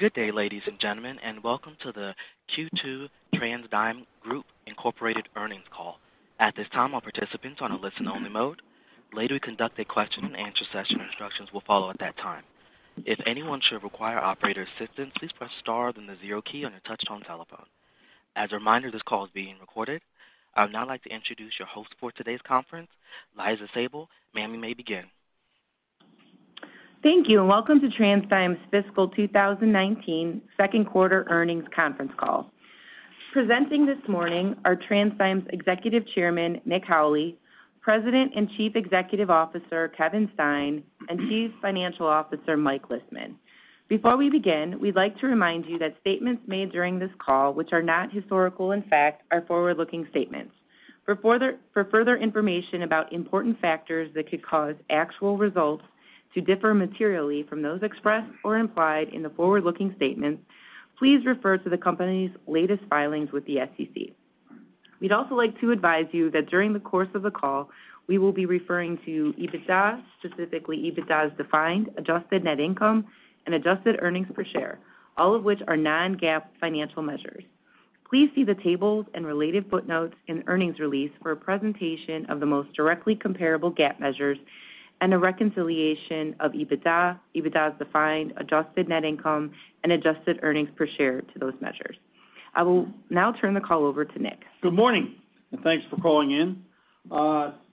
Good day, ladies and gentlemen, welcome to the Q2 TransDigm Group Incorporated earnings call. At this time, all participants on a listen-only mode. Later, we conduct a question-and-answer session. Instructions will follow at that time. If anyone should require operator assistance, please press star then the zero key on your touchtone telephone. As a reminder, this call is being recorded. I would now like to introduce your host for today's conference, Liza Sabol. Ma'am, you may begin. Thank you, welcome to TransDigm's fiscal 2019 second quarter earnings conference call. Presenting this morning are TransDigm's Executive Chairman, Nick Howley, President and Chief Executive Officer, Kevin Stein, and Chief Financial Officer, Mike Lisman. Before we begin, we'd like to remind you that statements made during this call, which are not historical in fact, are forward-looking statements. For further information about important factors that could cause actual results to differ materially from those expressed or implied in the forward-looking statements, please refer to the company's latest filings with the SEC. We'd also like to advise you that during the course of the call, we will be referring to EBITDA, specifically EBITDA as defined, adjusted net income, and adjusted earnings per share, all of which are non-GAAP financial measures. Please see the tables and related footnotes in the earnings release for a presentation of the most directly comparable GAAP measures and a reconciliation of EBITDA as defined, adjusted net income, and adjusted earnings per share to those measures. I will now turn the call over to Nick. Good morning, thanks for calling in.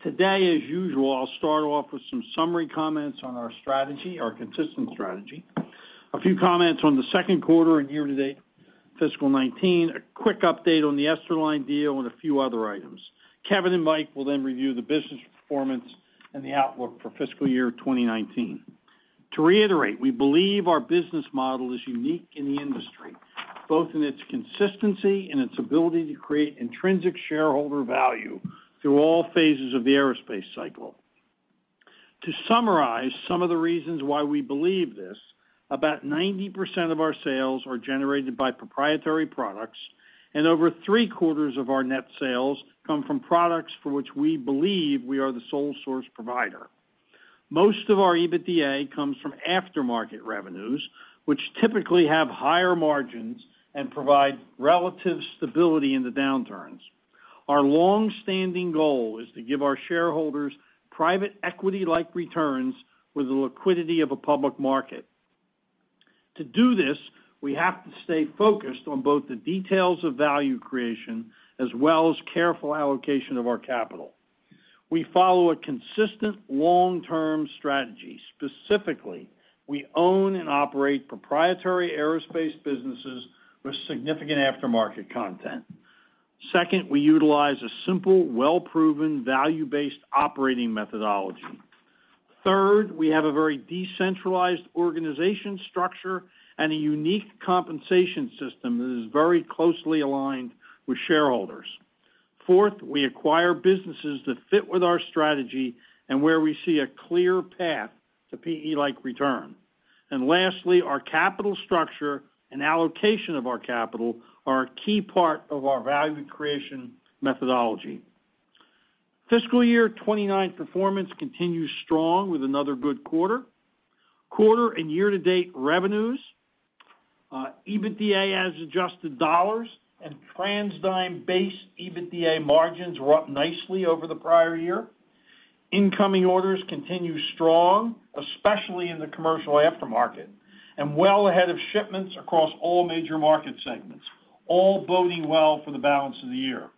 Today, as usual, I'll start off with some summary comments on our strategy, our consistent strategy, a few comments on the second quarter and year-to-date fiscal '19, a quick update on the Esterline deal and a few other items. Kevin and Mike will then review the business performance and the outlook for fiscal year 2019. To reiterate, we believe our business model is unique in the industry, both in its consistency and its ability to create intrinsic shareholder value through all phases of the aerospace cycle. To summarize some of the reasons why we believe this, about 90% of our sales are generated by proprietary products. Over three-quarters of our net sales come from products for which we believe we are the sole source provider. Most of our EBITDA comes from aftermarket revenues, which typically have higher margins and provide relative stability in the downturns. Our long-standing goal is to give our shareholders private equity-like returns with the liquidity of a public market. To do this, we have to stay focused on both the details of value creation as well as careful allocation of our capital. We follow a consistent long-term strategy. Specifically, we own and operate proprietary aerospace businesses with significant aftermarket content. Second, we utilize a simple, well-proven, value-based operating methodology. Third, we have a very decentralized organization structure and a unique compensation system that is very closely aligned with shareholders. Fourth, we acquire businesses that fit with our strategy and where we see a clear path to PE-like return. Lastly, our capital structure and allocation of our capital are a key part of our value creation methodology. Fiscal year 2019 performance continues strong with another good quarter. Quarter and year-to-date revenues, EBITDA as adjusted dollars, and TransDigm base EBITDA margins were up nicely over the prior year. Incoming orders continue strong, especially in the commercial aftermarket, and well ahead of shipments across all major market segments, all boding well for the balance of the year.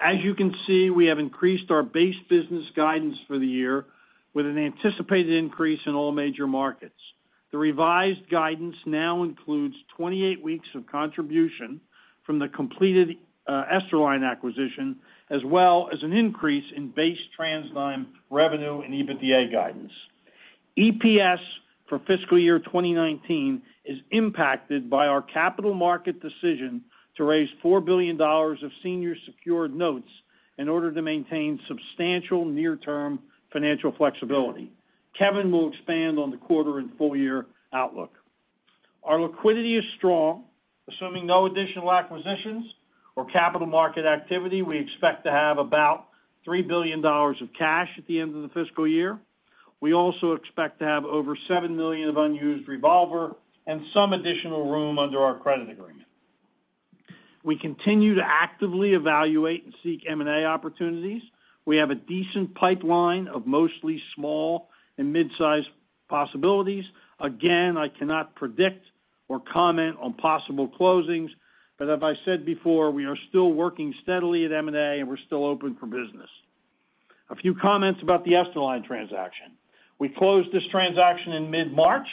As you can see, we have increased our base business guidance for the year with an anticipated increase in all major markets. The revised guidance now includes 28 weeks of contribution from the completed Esterline acquisition, as well as an increase in base TransDigm revenue and EBITDA guidance. EPS for fiscal year 2019 is impacted by our capital market decision to raise $4 billion of senior secured notes in order to maintain substantial near-term financial flexibility. Kevin will expand on the quarter and full-year outlook. Our liquidity is strong. Assuming no additional acquisitions or capital market activity, we expect to have about $3 billion of cash at the end of the fiscal year. We also expect to have over $7 million of unused revolver and some additional room under our credit agreement. We continue to actively evaluate and seek M&A opportunities. We have a decent pipeline of mostly small and mid-sized possibilities. Again, I cannot predict or comment on possible closings, but as I said before, we are still working steadily at M&A, and we're still open for business. A few comments about the Esterline transaction. We closed this transaction in mid-March.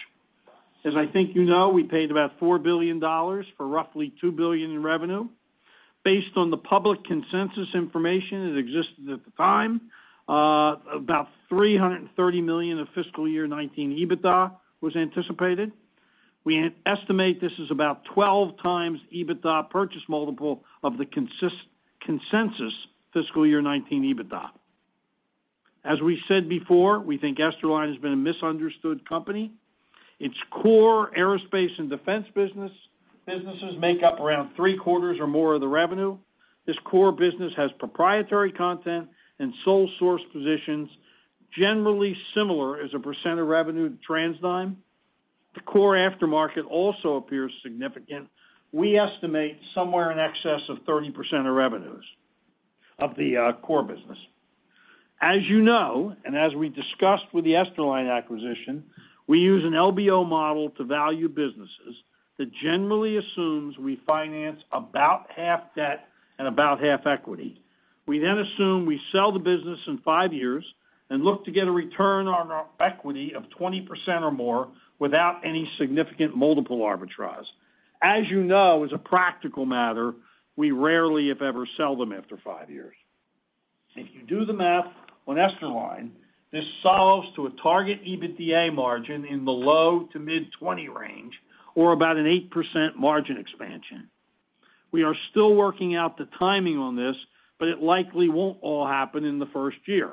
As I think you know, we paid about $4 billion for roughly $2 billion in revenue. Based on the public consensus information that existed at the time, about $330 million of fiscal year 2019 EBITDA was anticipated. We estimate this is about 12 times EBITDA purchase multiple of the consensus fiscal year 2019 EBITDA. As we said before, we think Esterline has been a misunderstood company. Its core aerospace and defense businesses make up around three-quarters or more of the revenue. This core business has proprietary content and sole source positions, generally similar as a percent of revenue to TransDigm. The core aftermarket also appears significant. We estimate somewhere in excess of 30% of revenues of the core business. As you know, and as we discussed with the Esterline acquisition, we use an LBO model to value businesses that generally assumes we finance about half debt and about half equity. We assume we sell the business in five years and look to get a return on our equity of 20% or more without any significant multiple arbitrage. As you know, as a practical matter, we rarely, if ever, sell them after five years. If you do the math on Esterline, this solves to a target EBITDA margin in the low to mid-20 range or about an 8% margin expansion. We are still working out the timing on this, but it likely won't all happen in the first year.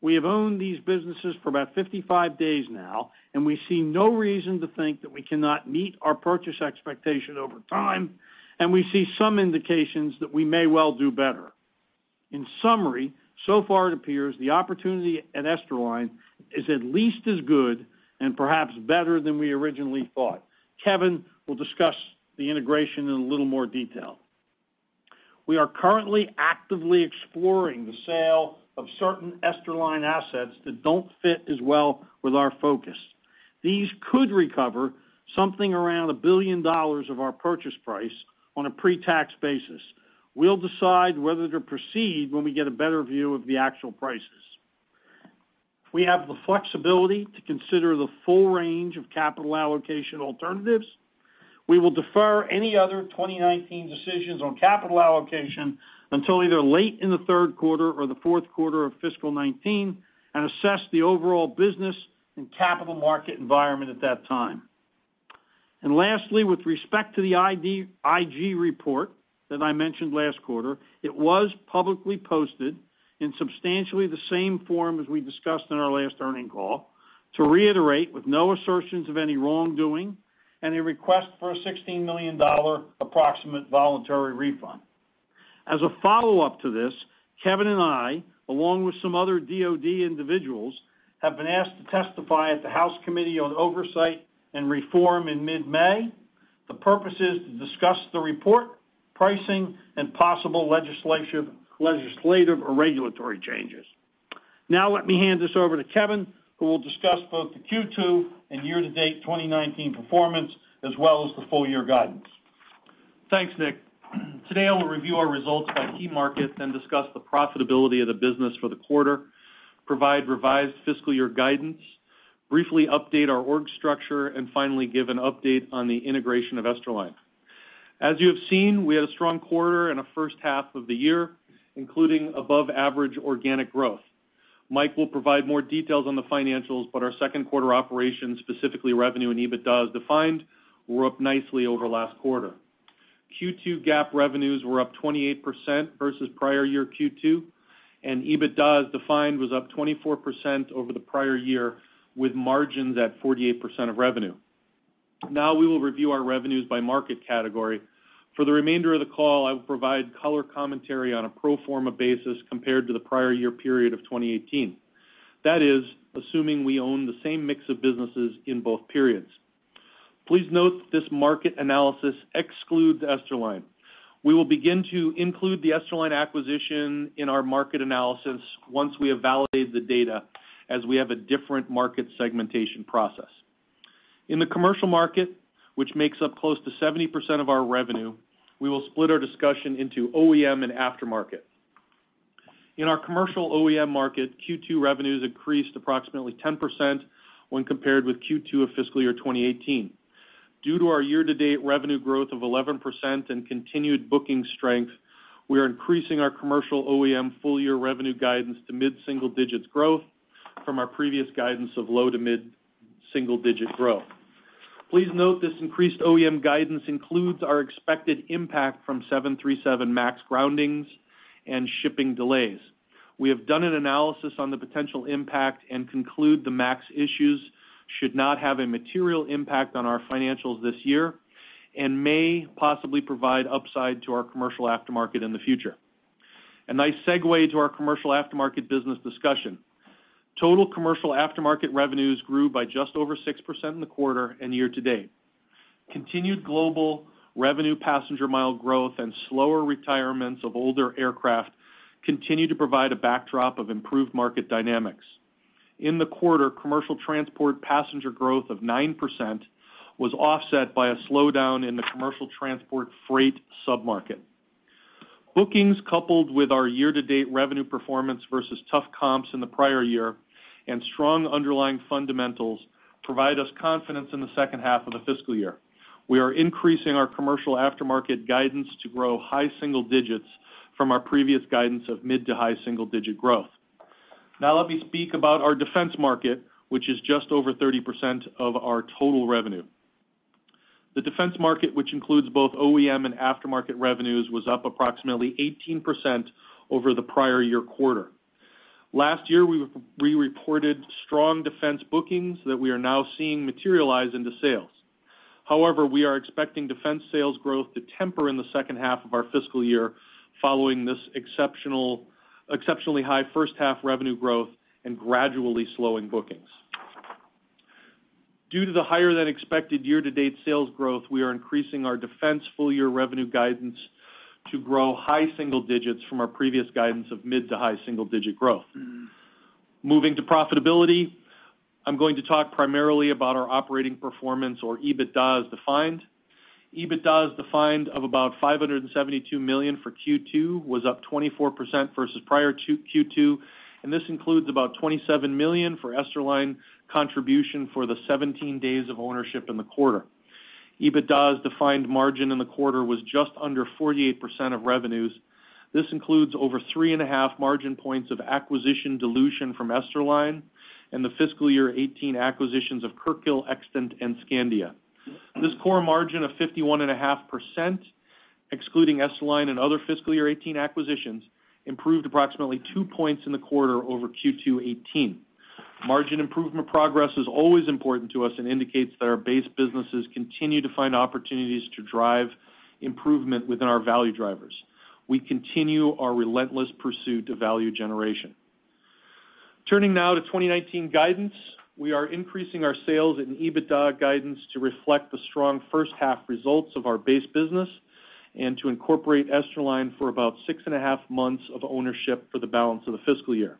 We have owned these businesses for about 55 days now, and we see no reason to think that we cannot meet our purchase expectation over time, and we see some indications that we may well do better. In summary, so far it appears the opportunity at Esterline is at least as good and perhaps better than we originally thought. Kevin will discuss the integration in a little more detail. We are currently actively exploring the sale of certain Esterline assets that don't fit as well with our focus. These could recover something around $1 billion of our purchase price on a pre-tax basis. We'll decide whether to proceed when we get a better view of the actual prices. We have the flexibility to consider the full range of capital allocation alternatives. We will defer any other 2019 decisions on capital allocation until either late in the third quarter or the fourth quarter of fiscal 2019 and assess the overall business and capital market environment at that time. Lastly, with respect to the IG report that I mentioned last quarter, it was publicly posted in substantially the same form as we discussed in our last earning call, to reiterate, with no assertions of any wrongdoing and a request for a $16 million approximate voluntary refund. As a follow-up to this, Kevin and I, along with some other DoD individuals, have been asked to testify at the House Committee on Oversight and Reform in mid-May. The purpose is to discuss the report, pricing, and possible legislative or regulatory changes. Let me hand this over to Kevin, who will discuss both the Q2 and year-to-date 2019 performance as well as the full-year guidance. Thanks, Nick. Today, I will review our results by key markets and discuss the profitability of the business for the quarter, provide revised fiscal year guidance, briefly update our org structure, and finally, give an update on the integration of Esterline. As you have seen, we had a strong quarter and a first half of the year, including above-average organic growth. Mike will provide more details on the financials, but our second quarter operations, specifically revenue and EBITDA as defined, were up nicely over last quarter. Q2 GAAP revenues were up 28% versus prior year Q2, and EBITDA as defined was up 24% over the prior year, with margins at 48% of revenue. We will review our revenues by market category. For the remainder of the call, I will provide color commentary on a pro forma basis compared to the prior year period of 2018. That is assuming we own the same mix of businesses in both periods. Please note that this market analysis excludes Esterline. We will begin to include the Esterline acquisition in our market analysis once we have validated the data as we have a different market segmentation process. In the commercial market, which makes up close to 70% of our revenue, we will split our discussion into OEM and aftermarket. In our commercial OEM market, Q2 revenues increased approximately 10% when compared with Q2 of fiscal year 2018. Due to our year-to-date revenue growth of 11% and continued booking strength, we are increasing our commercial OEM full-year revenue guidance to mid-single digits growth from our previous guidance of low to mid-single digit growth. Please note this increased OEM guidance includes our expected impact from 737 MAX groundings and shipping delays. We have done an analysis on the potential impact and conclude the MAX issues should not have a material impact on our financials this year and may possibly provide upside to our commercial aftermarket in the future. A nice segue to our commercial aftermarket business discussion. Total commercial aftermarket revenues grew by just over 6% in the quarter and year to date. Continued global revenue passenger mile growth and slower retirements of older aircraft continue to provide a backdrop of improved market dynamics. In the quarter, commercial transport passenger growth of 9% was offset by a slowdown in the commercial transport freight sub-market. Bookings coupled with our year-to-date revenue performance versus tough comps in the prior year and strong underlying fundamentals provide us confidence in the second half of the fiscal year. We are increasing our commercial aftermarket guidance to grow high single digits from our previous guidance of mid to high single-digit growth. Let me speak about our defense market, which is just over 30% of our total revenue. The defense market, which includes both OEM and aftermarket revenues, was up approximately 18% over the prior year quarter. Last year, we reported strong defense bookings that we are now seeing materialize into sales. We are expecting defense sales growth to temper in the second half of our fiscal year following this exceptionally high first-half revenue growth and gradually slowing bookings. Due to the higher-than-expected year-to-date sales growth, we are increasing our defense full-year revenue guidance to grow high single digits from our previous guidance of mid to high single-digit growth. Moving to profitability, I'm going to talk primarily about our operating performance or EBITDA as defined. EBITDA as defined of about $572 million for Q2 was up 24% versus prior to Q2, and this includes about $27 million for Esterline contribution for the 17 days of ownership in the quarter. EBITDA as defined margin in the quarter was just under 48% of revenues. This includes over three and a half margin points of acquisition dilution from Esterline and the fiscal year 2018 acquisitions of Kirkhill, Extant, and Skandia. This core margin of 51.5%, excluding Esterline and other fiscal year 2018 acquisitions, improved approximately two points in the quarter over Q2 2018. Margin improvement progress is always important to us and indicates that our base businesses continue to find opportunities to drive improvement within our value drivers. We continue our relentless pursuit of value generation. Turning to 2019 guidance. We are increasing our sales and EBITDA guidance to reflect the strong first-half results of our base business and to incorporate Esterline for about six and a half months of ownership for the balance of the fiscal year.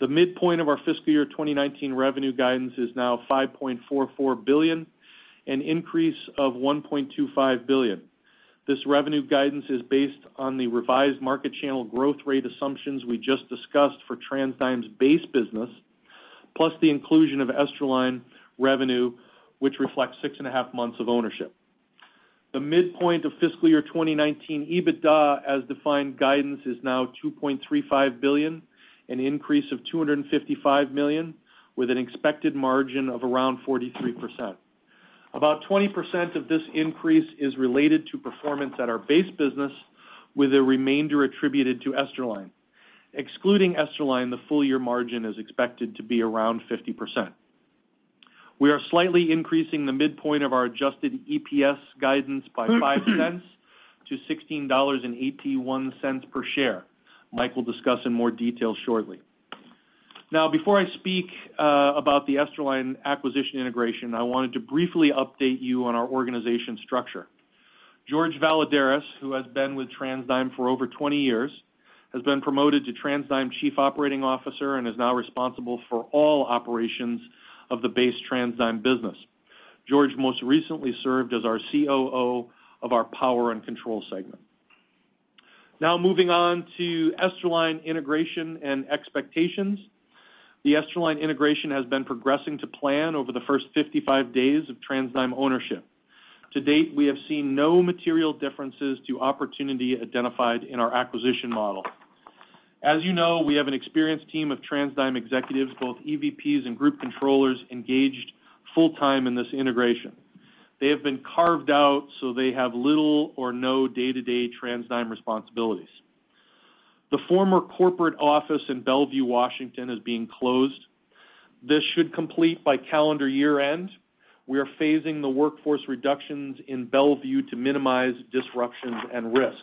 The midpoint of our fiscal year 2019 revenue guidance is now $5.44 billion, an increase of $1.25 billion. This revenue guidance is based on the revised market channel growth rate assumptions we just discussed for TransDigm's base business, plus the inclusion of Esterline revenue, which reflects six and a half months of ownership. The midpoint of fiscal year 2019 EBITDA, as defined guidance, is now $2.35 billion, an increase of $255 million, with an expected margin of around 43%. About 20% of this increase is related to performance at our base business, with a remainder attributed to Esterline. Excluding Esterline, the full-year margin is expected to be around 50%. We are slightly increasing the midpoint of our adjusted EPS guidance by $0.05 to $16.81 per share. Mike will discuss in more detail shortly. Before I speak about the Esterline acquisition integration, I wanted to briefly update you on our organization structure. Jorge Valladares, who has been with TransDigm for over 20 years, has been promoted to TransDigm Chief Operating Officer and is now responsible for all operations of the base TransDigm business. Jorge most recently served as our COO of our power and control segment. Moving on to Esterline integration and expectations. The Esterline integration has been progressing to plan over the first 55 days of TransDigm ownership. To date, we have seen no material differences to opportunity identified in our acquisition model. As you know, we have an experienced team of TransDigm executives, both EVPs and group controllers, engaged full-time in this integration. They have been carved out, so they have little or no day-to-day TransDigm responsibilities. The former corporate office in Bellevue, Washington, is being closed. This should complete by calendar year-end. We are phasing the workforce reductions in Bellevue to minimize disruptions and risk.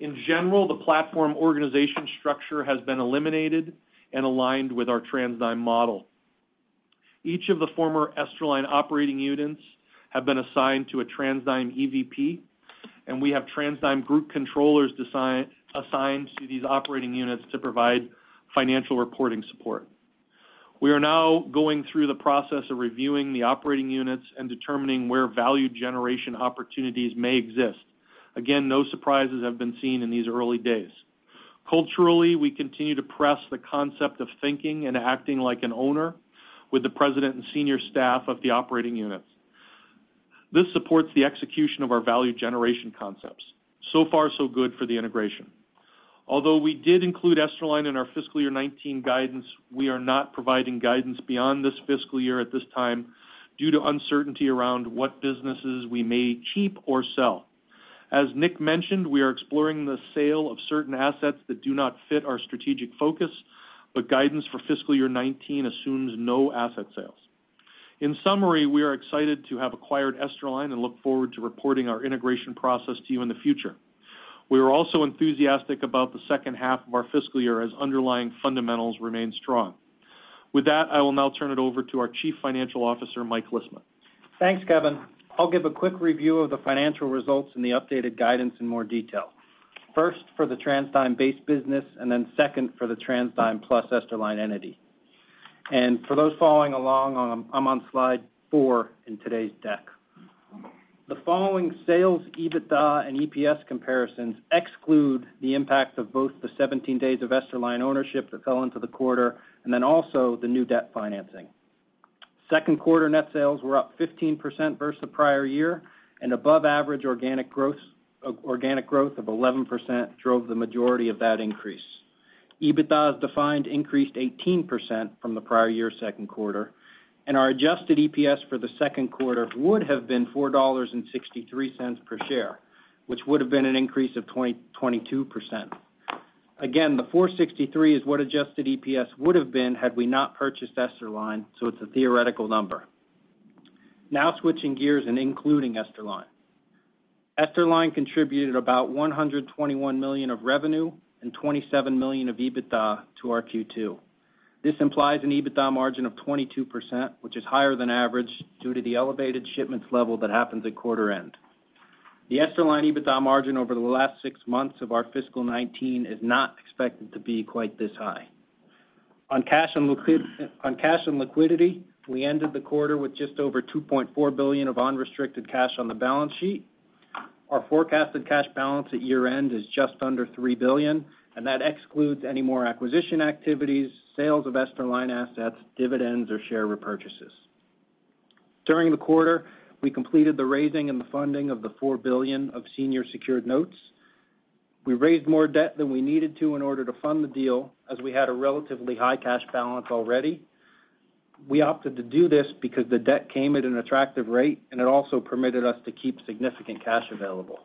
In general, the platform organization structure has been eliminated and aligned with our TransDigm model. Each of the former Esterline operating units have been assigned to a TransDigm EVP, and we have TransDigm group controllers assigned to these operating units to provide financial reporting support. We are now going through the process of reviewing the operating units and determining where value generation opportunities may exist. Again, no surprises have been seen in these early days. Culturally, we continue to press the concept of thinking and acting like an owner with the president and senior staff of the operating units. This supports the execution of our value generation concepts. So far, so good for the integration. Although we did include Esterline in our fiscal year 2019 guidance, we are not providing guidance beyond this fiscal year at this time due to uncertainty around what businesses we may keep or sell. As Nick mentioned, we are exploring the sale of certain assets that do not fit our strategic focus, but guidance for fiscal year 2019 assumes no asset sales. In summary, we are excited to have acquired Esterline and look forward to reporting our integration process to you in the future. We are also enthusiastic about the second half of our fiscal year as underlying fundamentals remain strong. With that, I will now turn it over to our Chief Financial Officer, Mike Lisman. Thanks, Kevin. I'll give a quick review of the financial results and the updated guidance in more detail. First for the TransDigm base business, then second for the TransDigm plus Esterline entity. For those following along, I'm on slide four in today's deck. The following sales, EBITDA, and EPS comparisons exclude the impact of both the 17 days of Esterline ownership that fell into the quarter and also the new debt financing. Second quarter net sales were up 15% versus the prior year, and above average organic growth of 11% drove the majority of that increase. EBITDA, as defined, increased 18% from the prior year's second quarter, and our adjusted EPS for the second quarter would have been $4.63 per share, which would've been an increase of 22%. Again, the $4.63 is what adjusted EPS would've been had we not purchased Esterline, so it's a theoretical number. Now switching gears and including Esterline. Esterline contributed about $121 million of revenue and $27 million of EBITDA to our Q2. This implies an EBITDA margin of 22%, which is higher than average due to the elevated shipments level that happens at quarter end. The Esterline EBITDA margin over the last six months of our fiscal 2019 is not expected to be quite this high. On cash and liquidity, we ended the quarter with just over $2.4 billion of unrestricted cash on the balance sheet. Our forecasted cash balance at year end is just under $3 billion, and that excludes any more acquisition activities, sales of Esterline assets, dividends, or share repurchases. During the quarter, we completed the raising and the funding of the $4 billion of senior secured notes. We raised more debt than we needed to in order to fund the deal, as we had a relatively high cash balance already. We opted to do this because the debt came at an attractive rate, and it also permitted us to keep significant cash available.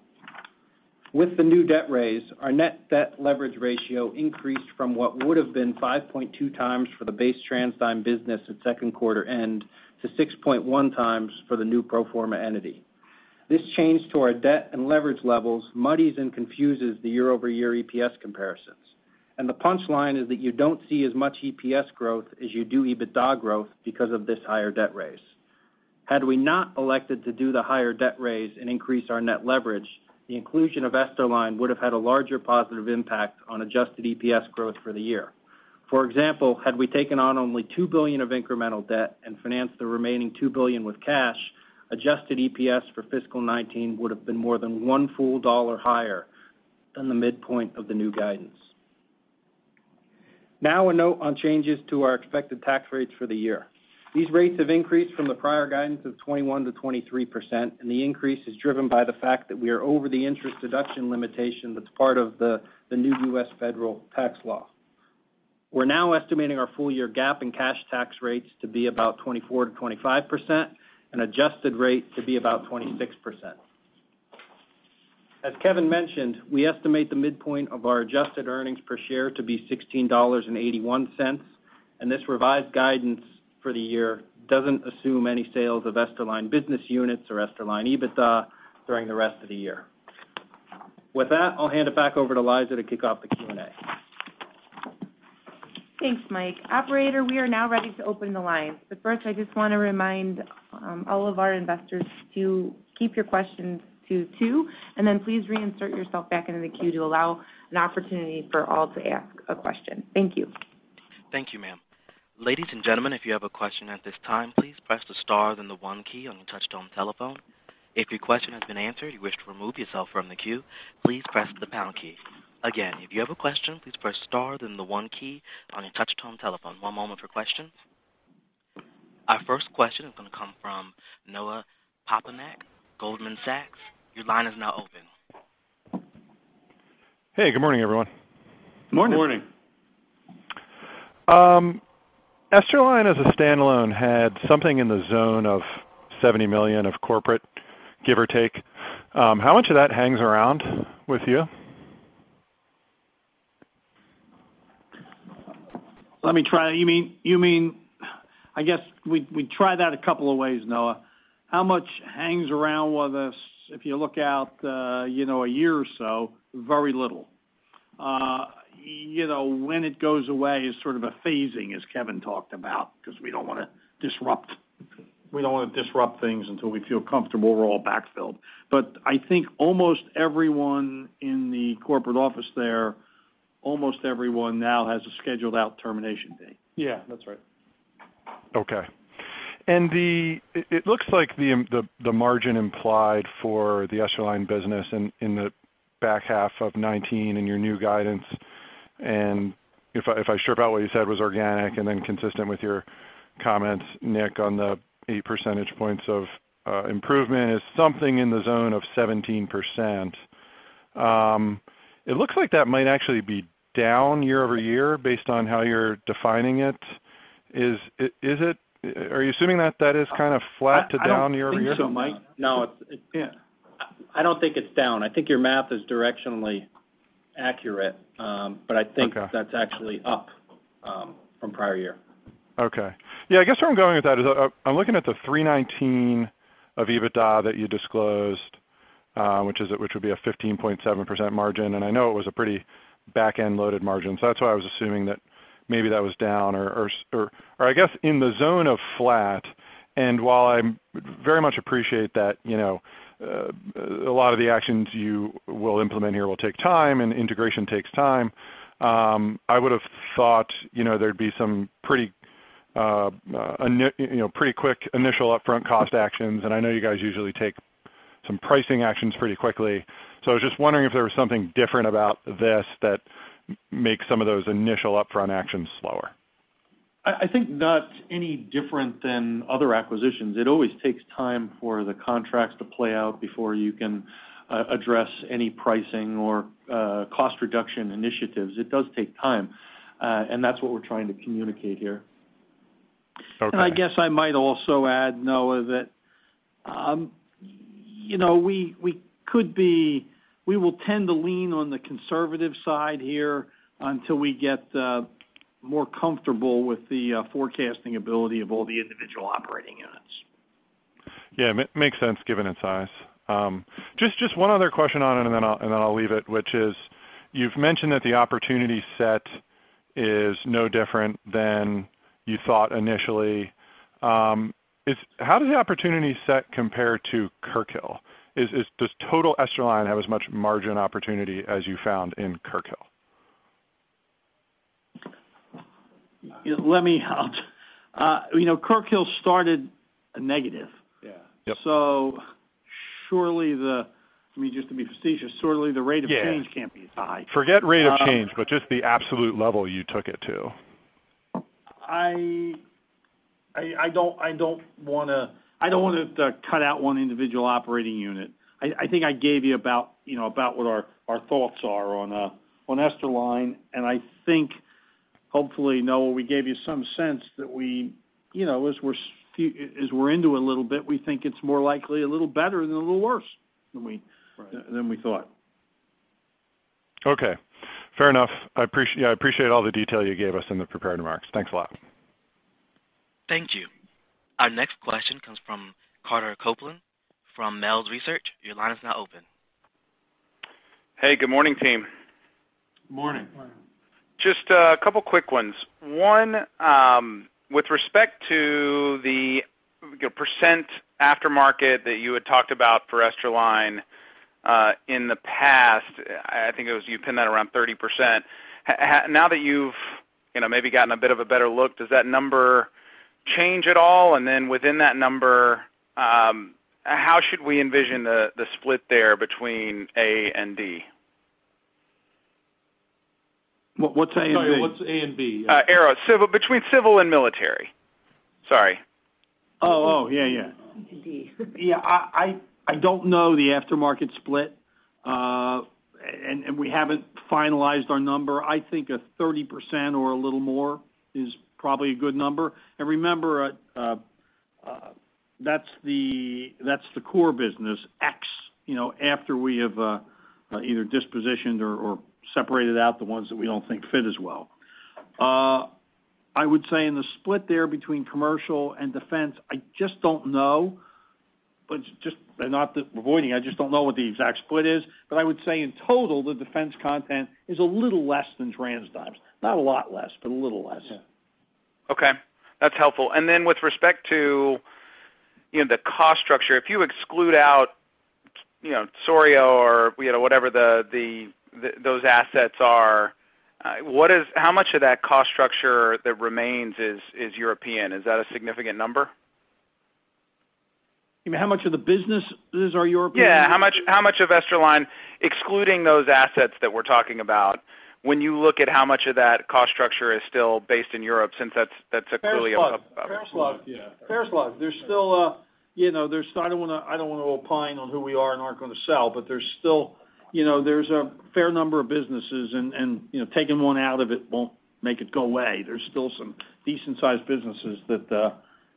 With the new debt raise, our net debt leverage ratio increased from what would've been 5.2x for the base TransDigm business at second quarter end to 6.1x for the new pro forma entity. This change to our debt and leverage levels muddies and confuses the year-over-year EPS comparisons. The punchline is that you don't see as much EPS growth as you do EBITDA growth because of this higher debt raise. Had we not elected to do the higher debt raise and increase our net leverage, the inclusion of Esterline would've had a larger positive impact on adjusted EPS growth for the year. For example, had we taken on only $2 billion of incremental debt and financed the remaining $2 billion with cash, adjusted EPS for fiscal 2019 would've been more than one full dollar higher than the midpoint of the new guidance. Now a note on changes to our expected tax rates for the year. These rates have increased from the prior guidance of 21%-23%, and the increase is driven by the fact that we are over the interest deduction limitation that's part of the new U.S. federal tax law. We're now estimating our full year GAAP and cash tax rates to be about 24%-25%, and adjusted rate to be about 26%. As Kevin mentioned, we estimate the midpoint of our adjusted earnings per share to be $16.81. This revised guidance for the year doesn't assume any sales of Esterline business units or Esterline EBITDA during the rest of the year. With that, I'll hand it back over to Liza to kick off the Q&A. Thanks, Mike. Operator, we are now ready to open the lines. First, I just want to remind all of our investors to keep your questions to two, then please reinsert yourself back into the queue to allow an opportunity for all to ask a question. Thank you. Thank you, ma'am. Ladies and gentlemen, if you have a question at this time, please press the star, then the one key on your touchtone telephone. If your question has been answered, you wish to remove yourself from the queue, please press the pound key. Again, if you have a question, please press star, then the one key on your touchtone telephone. One moment for questions. Our first question is going to come from Noah Poponak, Goldman Sachs. Your line is now open. Hey, good morning, everyone. Good morning. Good morning. Esterline as a standalone had something in the zone of $70 million of corporate, give or take. How much of that hangs around with you? Let me try. I guess we try that a couple of ways, Noah. How much hangs around with us if you look out a year or so? Very little. When it goes away is sort of a phasing, as Kevin talked about, because we don't want to disrupt things until we feel comfortable we're all backfilled. I think almost everyone in the corporate office there, almost everyone now has a scheduled out termination date. Yeah, that is right. It looks like the margin implied for the Esterline business in the back half of 2019 in your new guidance, if I strip out what you said was organic and then consistent with your comments, Nick, on the 80 percentage points of improvement is something in the zone of 17%. It looks like that might actually be down year-over-year based on how you are defining it. Are you assuming that that is kind of flat to down year-over-year? I don't think so, Mike. No. Yeah. I don't think it is down. I think your math is directionally accurate. Okay that's actually up from prior year. Okay. Yeah, I guess where I'm going with that is I'm looking at the $319 of EBITDA that you disclosed, which would be a 15.7% margin. I know it was a pretty back-end loaded margin. That's why I was assuming that maybe that was down or I guess in the zone of flat. While I very much appreciate that a lot of the actions you will implement here will take time and integration takes time, I would've thought there'd be some pretty quick initial upfront cost actions, and I know you guys usually take some pricing actions pretty quickly. I was just wondering if there was something different about this that makes some of those initial upfront actions slower. I think not any different than other acquisitions. It always takes time for the contracts to play out before you can address any pricing or cost reduction initiatives. It does take time, and that's what we're trying to communicate here. Okay. I guess I might also add, Noah, that we will tend to lean on the conservative side here until we get more comfortable with the forecasting ability of all the individual operating units. Yeah. Makes sense given its size. Just one other question on it, and then I'll leave it, which is, you've mentioned that the opportunity set is no different than you thought initially. How does the opportunity set compare to Kirkhill? Does total Esterline have as much margin opportunity as you found in Kirkhill? Kirkhill started a negative. Yeah. Yep. Surely the, just to be facetious, surely the rate of change can't be as high. Forget rate of change, just the absolute level you took it to. I don't want to cut out one individual operating unit. I think I gave you about what our thoughts are on Esterline, and I think hopefully, Noah, we gave you some sense that as we're into a little bit, we think it's more likely a little better than a little worse than we- Right than we thought. Okay. Fair enough. I appreciate all the detail you gave us in the prepared remarks. Thanks a lot. Thank you. Our next question comes from Carter Copeland from Melius Research. Your line is now open. Hey, good morning, team. Morning. Morning. Just a couple quick ones. One, with respect to the 30% aftermarket that you had talked about for Esterline, in the past, I think it was you pinned that around 30%. Now that you've maybe gotten a bit of a better look, does that number change at all? Then within that number, how should we envision the split there between A and D? What's A and D? Sorry, what's A and B? Aero. Between civil and military. Sorry. Oh, yeah. D. Yeah. I don't know the aftermarket split. We haven't finalized our number. I think a 30% or a little more is probably a good number. Remember, that's the core business, X, after we have either dispositioned or separated out the ones that we don't think fit as well. I would say in the split there between commercial and defense, I just don't know. Not to avoid you, I just don't know what the exact split is. I would say in total, the defense content is a little less than TransDigm's. Not a lot less, but a little less. Yeah. Okay. That's helpful. Then with respect to the cost structure, if you exclude out Souriau or whatever those assets are, how much of that cost structure that remains is European? Is that a significant number? You mean how much of the businesses are European? Yeah. How much of Esterline, excluding those assets that we're talking about, when you look at how much of that cost structure is still based in Europe since that's clearly a. Fair slug. Yeah. Fair slug. I don't want to opine on who we are and aren't going to sell, but there's a fair number of businesses, and taking one out of it won't make it go away. There's still some decent-sized businesses that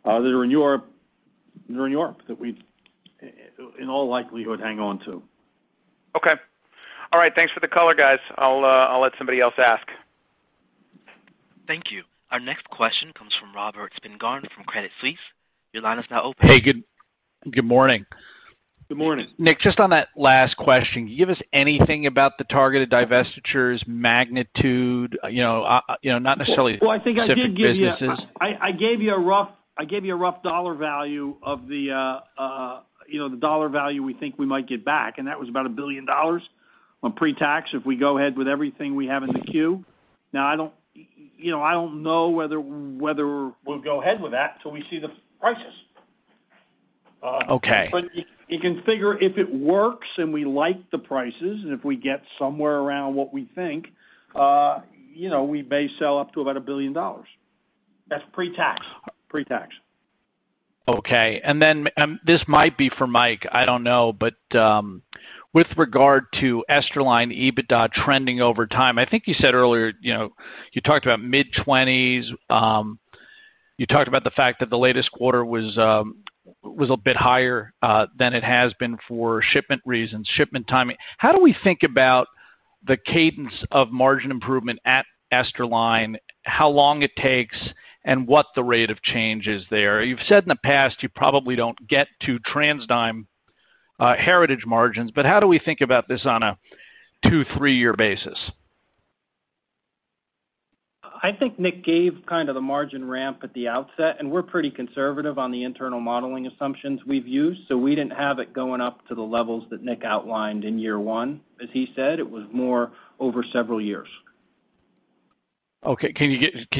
are in Europe, that we'd in all likelihood hang on to. Okay. All right. Thanks for the color, guys. I'll let somebody else ask. Thank you. Our next question comes from Robert Spingarn from Credit Suisse. Your line is now open. Hey, good morning. Good morning. Nick, just on that last question, can you give us anything about the targeted divestitures magnitude? Not necessarily specific businesses. I think I gave you a rough dollar value we think we might get back, and that was about $1 billion on pre-tax if we go ahead with everything we have in the queue. Now, I don't know whether we'll go ahead with that till we see the prices. Okay. You can figure if it works and we like the prices, and if we get somewhere around what we think, we may sell up to about $1 billion. That's pre-tax. Pre-tax. Okay. This might be for Mike, I don't know, but with regard to Esterline EBITDA trending over time, I think you said earlier, you talked about mid-20s%. You talked about the fact that the latest quarter was a bit higher than it has been for shipment reasons, shipment timing. How do we think about the cadence of margin improvement at Esterline, how long it takes, and what the rate of change is there? You've said in the past you probably don't get to TransDigm heritage margins, but how do we think about this on a two, three-year basis? I think Nick gave kind of the margin ramp at the outset, we're pretty conservative on the internal modeling assumptions we've used. We didn't have it going up to the levels that Nick outlined in year one. As he said, it was more over several years. Okay. Can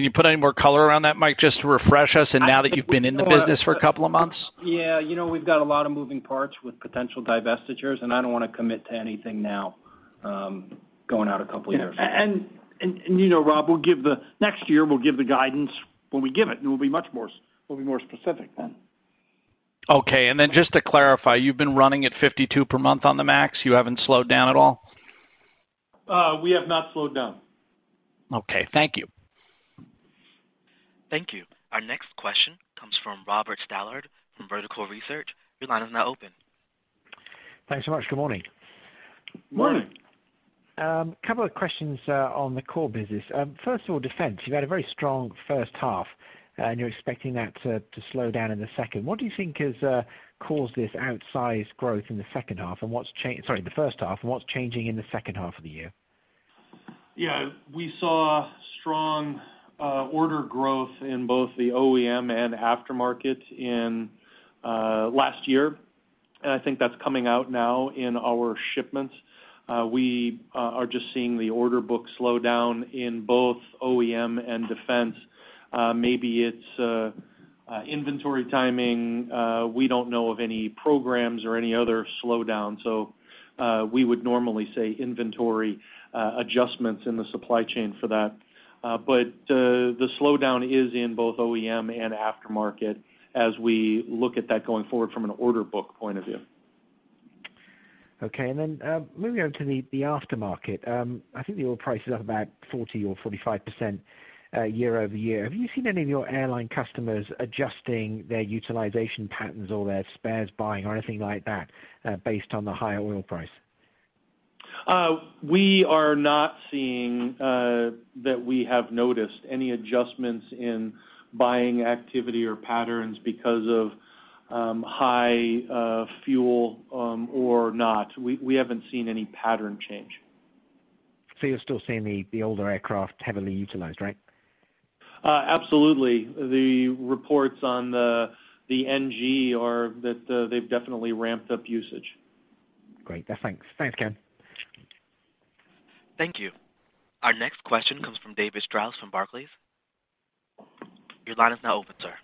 you put any more color around that, Mike, just to refresh us, now that you've been in the business for a couple of months? Yeah. We've got a lot of moving parts with potential divestitures, I don't want to commit to anything now, going out a couple years. You know, Rob, next year we'll give the guidance when we give it, and we'll be much more specific then. Okay, just to clarify, you've been running at 52 per month on the Max? You haven't slowed down at all? We have not slowed down. Okay. Thank you. Thank you. Our next question comes from Robert Stallard from Vertical Research. Your line is now open. Thanks so much. Good morning. Morning. Morning. A couple of questions on the core business. First of all, defense. You've had a very strong first half, and you're expecting that to slow down in the second. What do you think has caused this outsized growth in the first half, and what's changing in the second half of the year? Yeah. We saw strong order growth in both the OEM and aftermarket in last year, I think that's coming out now in our shipments. We are just seeing the order book slow down in both OEM and defense. Maybe it's inventory timing. We don't know of any programs or any other slowdown, so we would normally say inventory adjustments in the supply chain for that. The slowdown is in both OEM and aftermarket as we look at that going forward from an order book point of view. Moving on to the aftermarket. I think the oil price is up about 40% or 45% year-over-year. Have you seen any of your airline customers adjusting their utilization patterns or their spares buying or anything like that based on the high oil price? We are not seeing that we have noticed any adjustments in buying activity or patterns because of high fuel or not. We haven't seen any pattern change. You're still seeing the older aircraft heavily utilized, right? Absolutely. The reports on the 737NG are that they've definitely ramped up usage. Great. Thanks. Thanks, Kevin. Thank you. Our next question comes from David Strauss from Barclays. Your line is now open, sir.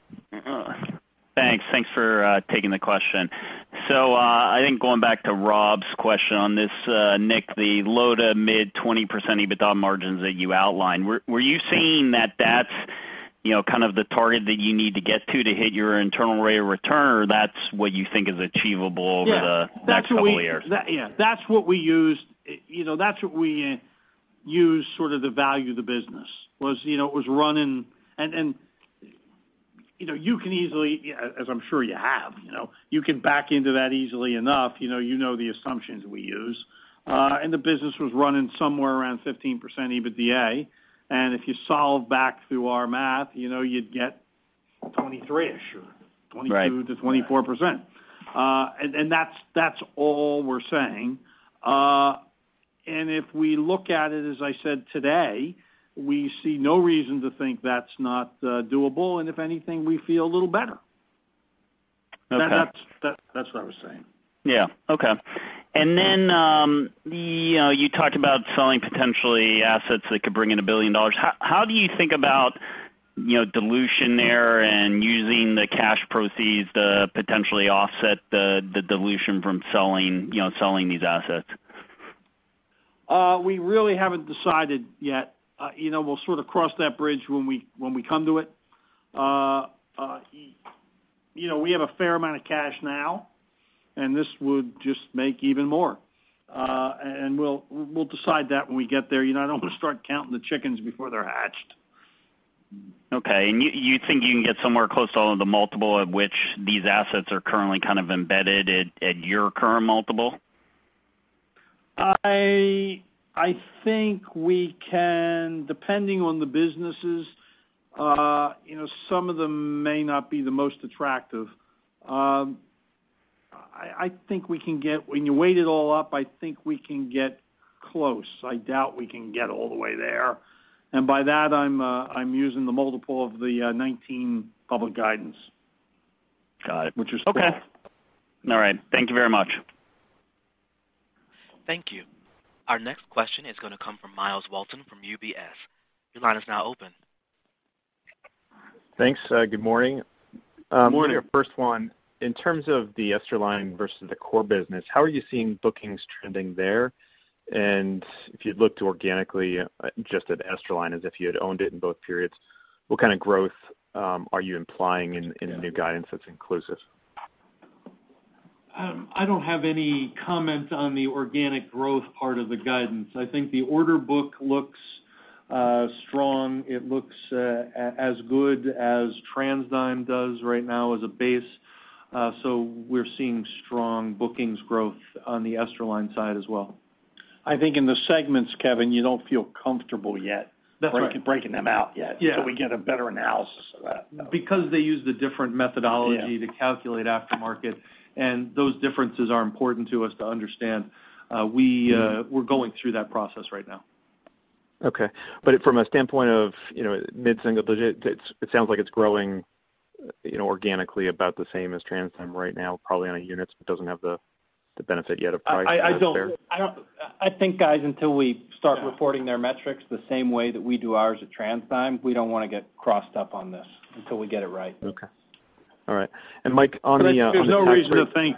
Thanks. Thanks for taking the question. I think going back to Rob's question on this, Nick, the low-to-mid 20% EBITDA margins that you outlined, were you saying that that's kind of the target that you need to get to to hit your internal rate of return, or that's what you think is achievable over the next couple of years? Yeah, that's what we use sort of the value of the business. You can easily, as I'm sure you have, you can back into that easily enough. You know the assumptions we use. The business was running somewhere around 15% EBITDA, and if you solve back through our math, you'd get 23-ish or 22%-24%. Right. That's all we're saying. If we look at it, as I said today, we see no reason to think that's not doable. If anything, we feel a little better. Okay. That's what I was saying. Yeah. Okay. Then you talked about selling potentially assets that could bring in $1 billion. How do you think about dilution there and using the cash proceeds to potentially offset the dilution from selling these assets? We really haven't decided yet. We'll sort of cross that bridge when we come to it. We have a fair amount of cash now, and this would just make even more. We'll decide that when we get there. I don't want to start counting the chickens before they're hatched. Okay, you think you can get somewhere close to the multiple at which these assets are currently kind of embedded at your current multiple? I think we can, depending on the businesses. Some of them may not be the most attractive. When you weight it all up, I think we can get close. I doubt we can get all the way there. By that, I'm using the multiple of the '19 public guidance. Got it. Okay. Which is four. All right. Thank you very much. Thank you. Our next question is going to come from Myles Walton from UBS. Your line is now open. Thanks. Good morning. Good morning. First one, in terms of the Esterline versus the core business, how are you seeing bookings trending there? If you'd looked organically just at Esterline as if you had owned it in both periods, what kind of growth are you implying in the new guidance that's inclusive? I don't have any comments on the organic growth part of the guidance. I think the order book looks strong. It looks as good as TransDigm does right now as a base. We're seeing strong bookings growth on the Esterline side as well. I think in the segments, Kevin, you don't feel comfortable yet That's right breaking them out yet. Yeah until we get a better analysis of that. Because they use the different methodology. Yeah to calculate aftermarket, and those differences are important to us to understand. We're going through that process right now. Okay. From a standpoint of mid-single digit, it sounds like it's growing organically about the same as TransDigm right now, probably on a units, but doesn't have the benefit yet of price. Is that fair? I think, guys, until we start reporting their metrics the same way that we do ours at TransDigm, we don't want to get crossed up on this until we get it right. Okay. All right. Mike, on the. There's no reason to think.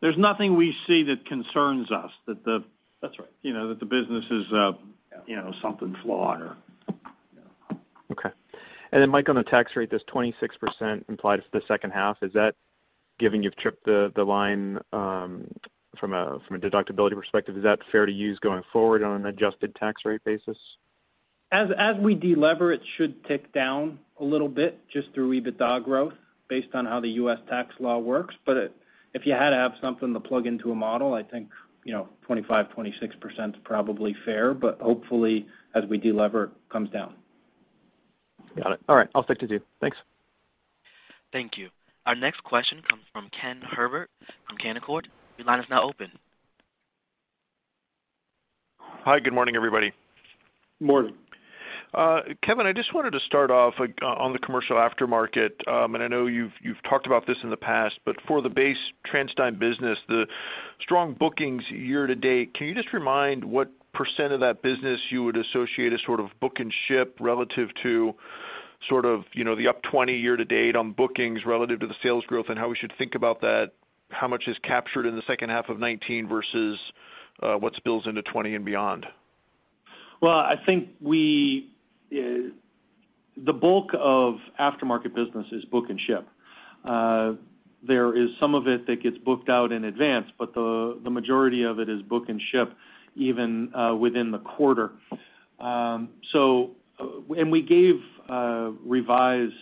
There's nothing we see that concerns us. That's right. That the business is- Yeah something flawed or Okay. Mike, on the tax rate, this 26% implied for the second half, is that giving you trip the line from a deductibility perspective, is that fair to use going forward on an adjusted tax rate basis? As we de-lever, it should tick down a little bit just through EBITDA growth based on how the U.S. tax law works. If you had to have something to plug into a model, I think 25%-26% is probably fair, hopefully as we de-lever, it comes down. Got it. All right. I'll stick to two. Thanks. Thank you. Our next question comes from Ken Herbert from Canaccord. Your line is now open. Hi. Good morning, everybody. Morning. Kevin, I just wanted to start off on the commercial aftermarket. I know you've talked about this in the past, but for the base TransDigm business, the strong bookings year to date, can you just remind what percent of that business you would associate as sort of book and ship relative to the up 20% year to date on bookings relative to the sales growth and how we should think about that? How much is captured in the second half of 2019 versus what spills into 2020 and beyond? I think the bulk of aftermarket business is book and ship. There is some of it that gets booked out in advance, but the majority of it is book and ship even within the quarter. We gave revised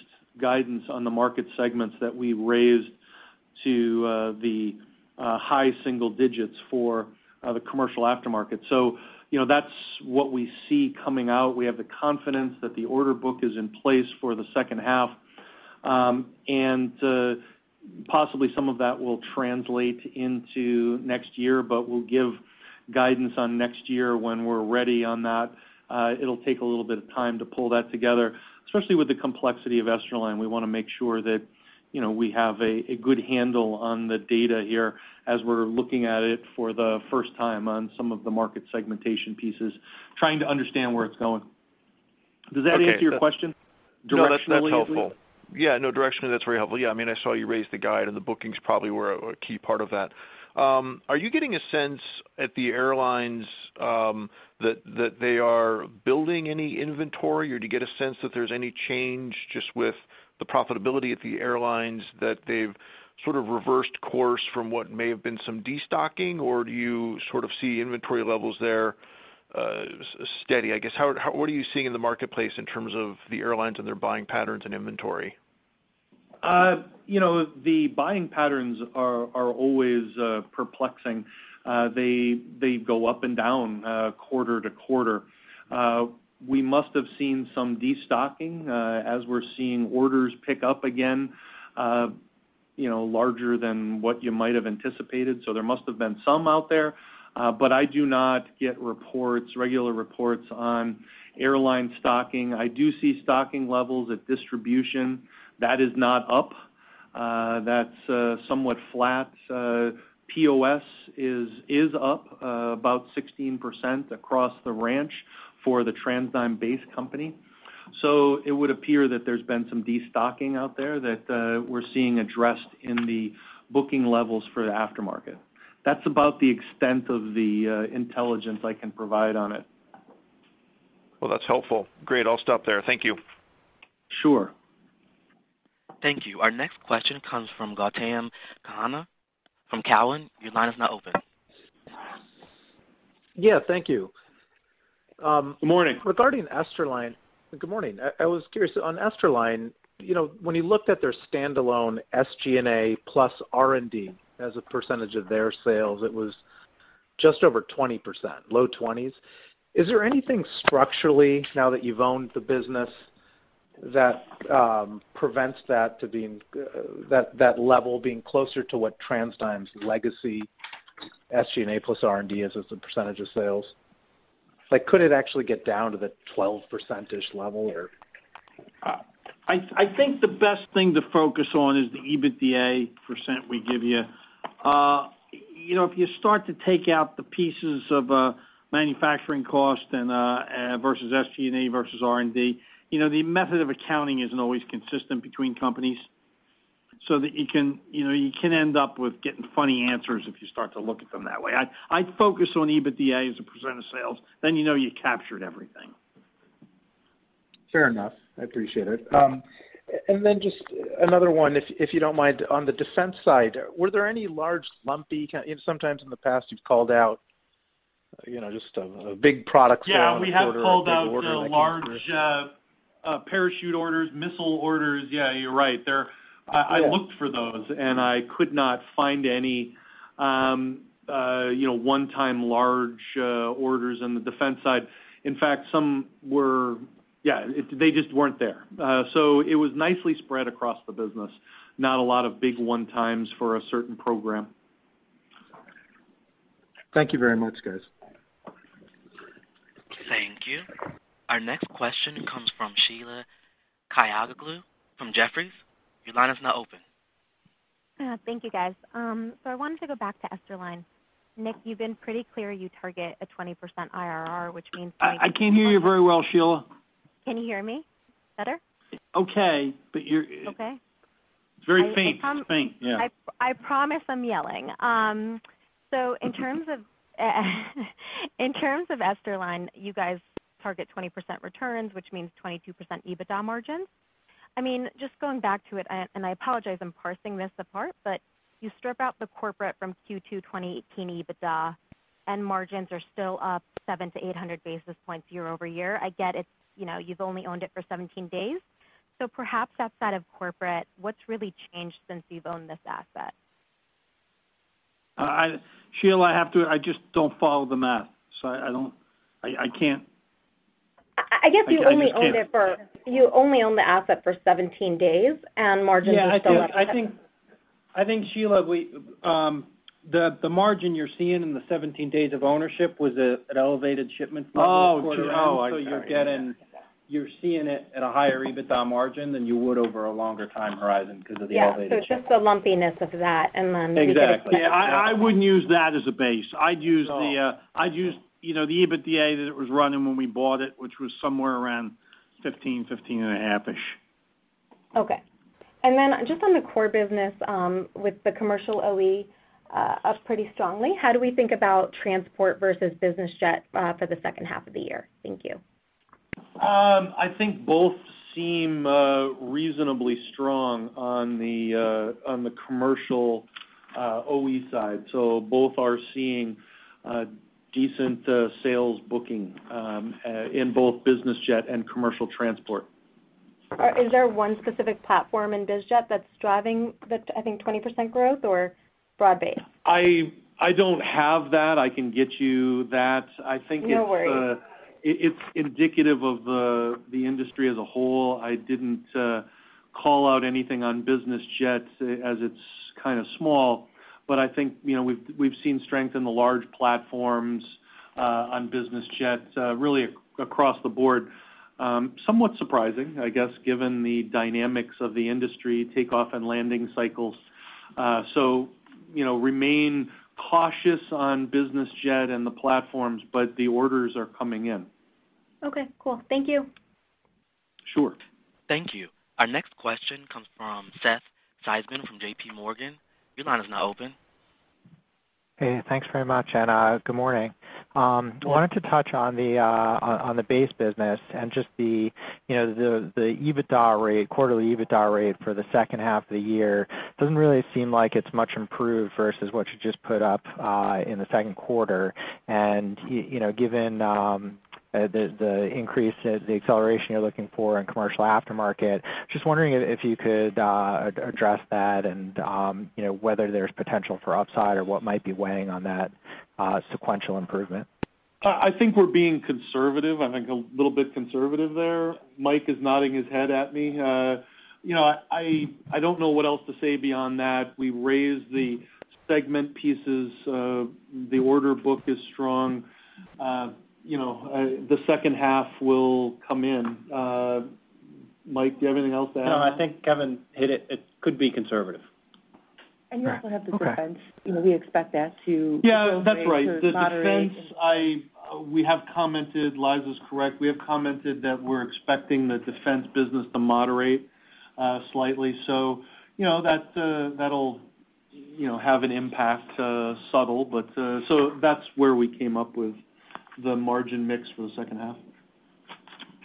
guidance on the market segments that we raised to the high single digits for the commercial aftermarket. That's what we see coming out. We have the confidence that the order book is in place for the second half. Possibly some of that will translate into next year, but we'll give guidance on next year when we're ready on that. It'll take a little bit of time to pull that together, especially with the complexity of Esterline. We want to make sure that we have a good handle on the data here as we're looking at it for the first time on some of the market segmentation pieces, trying to understand where it's going. Okay. Does that answer your question directionally at least? No, that's helpful. Yeah, no, directionally, that's very helpful. Yeah, I saw you raise the guide and the bookings probably were a key part of that. Are you getting a sense at the airlines, that they are building any inventory, or do you get a sense that there's any change just with the profitability at the airlines that they've sort of reversed course from what may have been some destocking, or do you sort of see inventory levels there steady, I guess? What are you seeing in the marketplace in terms of the airlines and their buying patterns and inventory? The buying patterns are always perplexing. They go up and down, quarter to quarter. We must have seen some destocking, as we're seeing orders pick up again, larger than what you might have anticipated. There must have been some out there. I do not get regular reports on airline stocking. I do see stocking levels at distribution. That is not up. That's somewhat flat. POS is up about 16% across the board for the TransDigm base company. It would appear that there's been some destocking out there that we're seeing addressed in the booking levels for the aftermarket. That's about the extent of the intelligence I can provide on it. Well, that's helpful. Great. I'll stop there. Thank you. Sure. Thank you. Our next question comes from Gautam Khanna from Cowen. Your line is now open. Yeah, thank you. Good morning. Regarding Esterline. Good morning. I was curious. On Esterline, when you looked at their standalone SG&A plus R&D as a percentage of their sales, it was just over 20%, low 20s. Is there anything structurally now that you've owned the business that prevents that level being closer to what TransDigm's legacy SG&A plus R&D is as a percentage of sales? Like, could it actually get down to the 12% level or? I think the best thing to focus on is the EBITDA % we give you. If you start to take out the pieces of manufacturing cost versus SG&A versus R&D, the method of accounting isn't always consistent between companies. You can end up with getting funny answers if you start to look at them that way. I'd focus on EBITDA as a % of sales, you know you captured everything. Fair enough. I appreciate it. Just another one, if you don't mind. On the defense side, were there any large, lumpy Sometimes in the past you've called out just a big product sale and order- Yeah, we have called out the large parachute orders, missile orders. Yeah, you're right. Yeah. I looked for those, I could not find any one-time large orders on the defense side. In fact, some were Yeah, they just weren't there. It was nicely spread across the business. Not a lot of big one-times for a certain program. Thank you very much, guys. Thank you. Our next question comes from Sheila Kahyaoglu from Jefferies. Your line is now open. Thank you, guys. I wanted to go back to Esterline. Nick, you've been pretty clear you target a 20% IRR, which means- I can't hear you very well, Sheila. Can you hear me better? Okay, but you're- Okay. It's very faint. Yeah. I promise I'm yelling. In terms of Esterline, you guys target 20% returns, which means 22% EBITDA margins. Just going back to it, I apologize, I'm parsing this apart, you strip out the corporate from Q2 2018 EBITDA, margins are still up 7 to 800 basis points year-over-year. I get it, you've only owned it for 17 days, perhaps outside of corporate, what's really changed since you've owned this asset? Sheila, I just don't follow the math, I can't. I guess you only- I just can't owned the asset for 17 days, and margins are still up. Yeah, I think, Sheila, the margin you're seeing in the 17 days of ownership was an elevated shipment for the quarter. Oh, Jim. Oh, I see. You're seeing it at a higher EBITDA margin than you would over a longer time horizon because of the elevated shipments. Yeah. It's just the lumpiness of that. Exactly. Yeah. I wouldn't use that as a base. I'd use the EBITDA that it was running when we bought it, which was somewhere around 15%, 15.5%-ish. Okay. Then just on the core business, with the commercial OE up pretty strongly, how do we think about transport versus business jet for the second half of the year? Thank you. I think both seem reasonably strong on the commercial OE side, both are seeing decent sales booking in both business jet and commercial transport. Is there one specific platform in biz jet that's driving the, I think, 20% growth or broad-based? I don't have that. I can get you that. I think. No worries It's indicative of the industry as a whole. I didn't call out anything on business jets as it's kind of small, I think we've seen strength in the large platforms on business jets, really across the board. Somewhat surprising, I guess, given the dynamics of the industry, takeoff and landing cycles. Remain cautious on business jet and the platforms, The orders are coming in. Okay, cool. Thank you. Sure. Thank you. Our next question comes from Seth Seifman from J.P. Morgan. Your line is now open. Hey, thanks very much. Good morning. Good morning. I wanted to touch on the base business and just the quarterly EBITDA rate for the second half of the year. Doesn't really seem like it's much improved versus what you just put up in the second quarter. Given the increase, the acceleration you're looking for in commercial aftermarket, just wondering if you could address that and whether there's potential for upside or what might be weighing on that sequential improvement. I think we're being conservative. I think a little bit conservative there. Mike is nodding his head at me. I don't know what else to say beyond that. We raised the segment pieces. The order book is strong. The second half will come in. Mike, do you have anything else to add? No, I think Kevin hit it. It could be conservative. You also have defense. We expect that. Yeah. That's right. moderate. The defense, Liza's correct. We have commented that we're expecting the defense business to moderate slightly. That'll have an impact, subtle, but that's where we came up with the margin mix for the second half.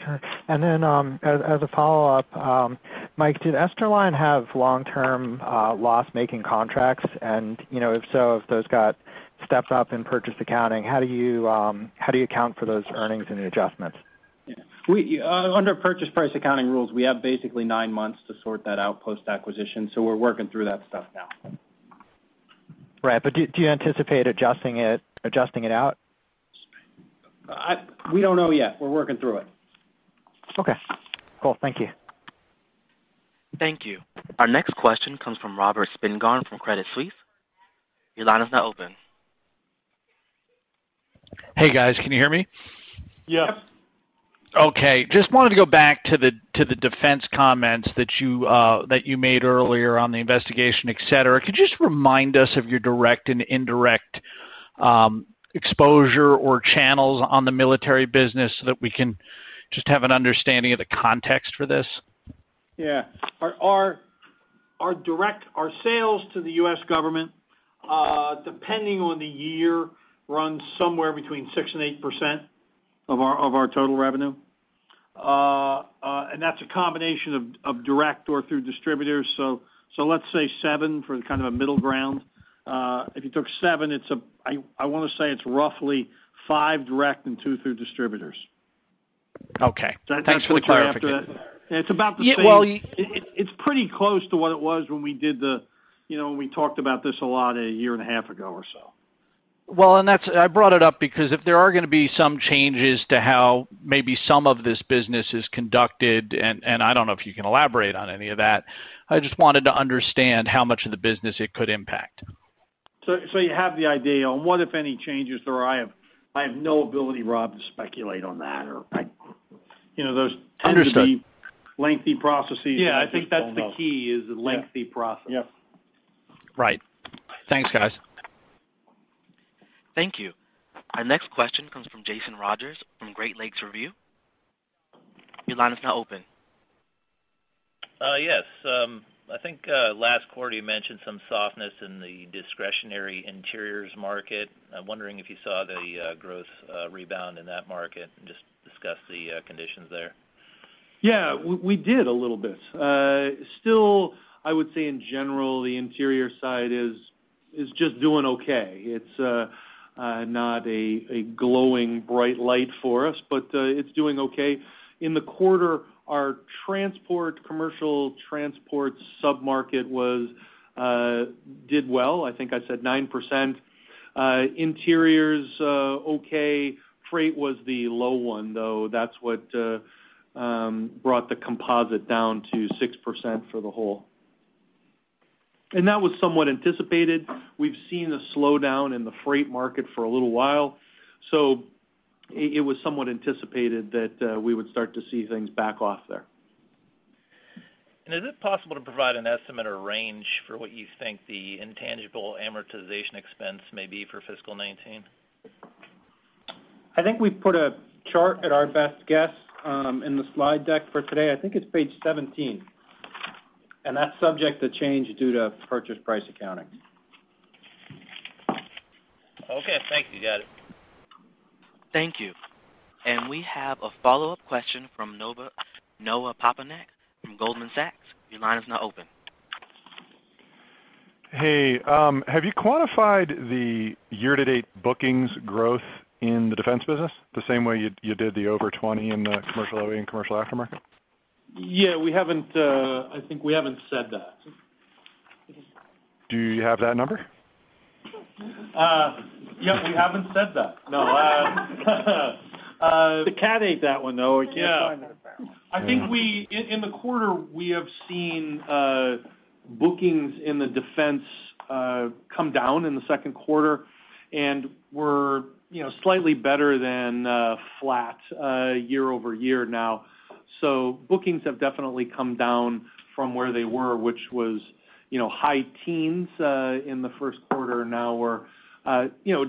Sure. As a follow-up, Mike, did Esterline have long-term loss-making contracts? If so, if those got stepped up in purchase accounting, how do you account for those earnings and the adjustments? Under purchase price accounting rules, we have basically nine months to sort that out post-acquisition, we're working through that stuff now. Right. Do you anticipate adjusting it out? We don't know yet. We're working through it. Okay. Cool. Thank you. Thank you. Our next question comes from Robert Spingarn from Credit Suisse. Your line is now open. Hey, guys. Can you hear me? Yeah. Okay. Just wanted to go back to the defense comments that you made earlier on the investigation, et cetera. Could you just remind us of your direct and indirect exposure or channels on the military business so that we can just have an understanding of the context for this? Yeah. Our sales to the U.S. government, depending on the year, run somewhere between 6% and 8% of our total revenue. That's a combination of direct or through distributors. Let's say seven for kind of a middle ground. If you took seven, I want to say it's roughly five direct and two through distributors. Okay. Thanks for the clarification. That's about right. It's pretty close to what it was when we talked about this a lot a year and a half ago or so. I brought it up because if there are going to be some changes to how maybe some of this business is conducted, and I don't know if you can elaborate on any of that, I just wanted to understand how much of the business it could impact. You have the idea on what, if any, changes there are. I have no ability, Rob, to speculate on that. Understood those tend to be lengthy processes. Yeah, I think that's the key, is the lengthy process. Yep. Right. Thanks, guys. Thank you. Our next question comes from Jason Rogers from Great Lakes Review. Your line is now open. Yes. I think last quarter you mentioned some softness in the discretionary interiors market. I'm wondering if you saw the growth rebound in that market, and just discuss the conditions there. Yeah. We did a little bit. Still, I would say in general, the interior side is just doing okay. It's not a glowing, bright light for us, but it's doing okay. In the quarter, our commercial transport sub-market did well. I think I said 9%. Interiors, okay. Freight was the low one, though. That's what brought the composite down to 6% for the whole. That was somewhat anticipated. We've seen a slowdown in the freight market for a little while, so it was somewhat anticipated that we would start to see things back off there. Is it possible to provide an estimate or range for what you think the intangible amortization expense may be for fiscal year 2019? I think we put a chart at our best guess in the slide deck for today. I think it's page 17. That's subject to change due to purchase price accounting. Okay. Thank you. Got it. Thank you. We have a follow-up question from Noah Poponak from Goldman Sachs. Your line is now open. Hey, have you quantified the year-to-date bookings growth in the defense business the same way you did the over 20 in the commercial OE and commercial aftermarket? Yeah, I think we haven't said that. Do you have that number? Yeah, we haven't said that. No. The cat ate that one, Noah. Yeah. I can't find that apparently. I think in the quarter, we have seen bookings in the defense come down in the second quarter. We're slightly better than flat year-over-year now. Bookings have definitely come down from where they were, which was high teens in the first quarter. Now we're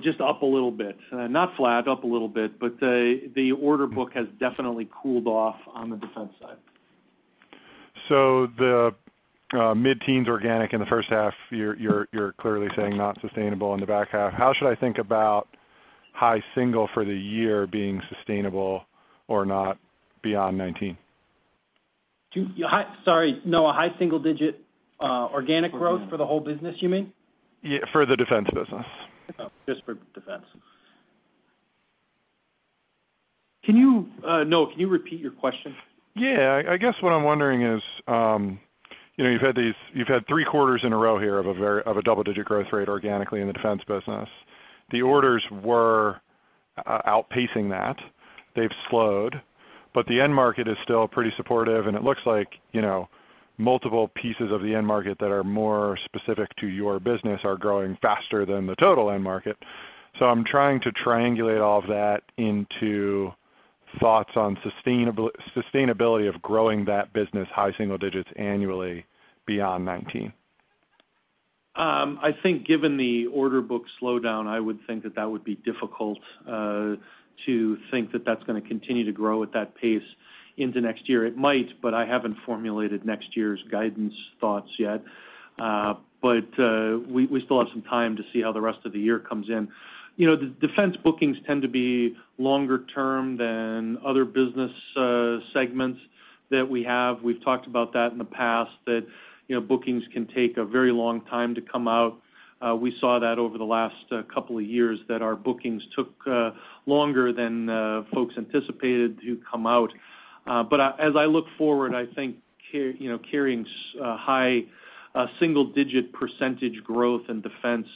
just up a little bit. Not flat, up a little bit, the order book has definitely cooled off on the defense side. The mid-teens organic in the first half, you're clearly saying not sustainable in the back half. How should I think about high single for the year being sustainable or not beyond 2019? Sorry, Noah. High single digit organic growth for the whole business, you mean? Yeah, for the defense business. Oh, just for defense. Noah, can you repeat your question? Yeah. I guess what I'm wondering is, you've had three quarters in a row here of a double-digit growth rate organically in the defense business. The orders were outpacing that. They've slowed, but the end market is still pretty supportive, and it looks like multiple pieces of the end market that are more specific to your business are growing faster than the total end market. I'm trying to triangulate all of that into thoughts on sustainability of growing that business high single digits annually beyond 2019. I think given the order book slowdown, I would think that that would be difficult to think that that's going to continue to grow at that pace into next year. It might, I haven't formulated next year's guidance thoughts yet. We still have some time to see how the rest of the year comes in. The defense bookings tend to be longer term than other business segments that we have. We've talked about that in the past, that bookings can take a very long time to come out. We saw that over the last couple of years, that our bookings took longer than folks anticipated to come out. As I look forward, I think carrying high single digit percentage growth in defense